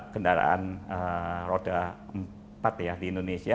kendaraan roda empat ya di indonesia